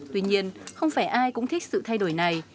tuy nhiên không phải ai cũng thích sự thay đổi này